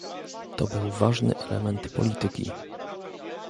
To był ważny element polityki